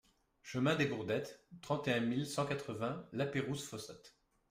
Chemin des Bourdettes, trente et un mille cent quatre-vingts Lapeyrouse-Fossat